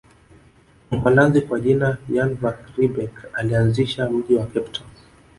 Mholanzi kwa jina Jan van Riebeeck alianzisha mji wa Cape Town